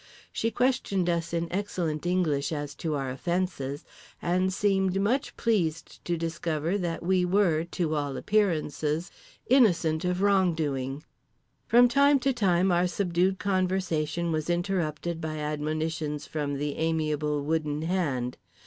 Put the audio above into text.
She questioned us in excellent English as to our offenses, and seemed much pleased to discover that we were—to all appearances—innocent of wrong doing. From time to time our subdued conversation was interrupted by admonitions from the amiable Wooden Hand.